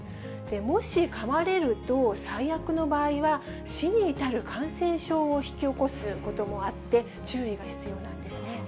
もし、かまれると最悪の場合は、死に至る感染症を引き起こすこともあって、注意が必要なんですね。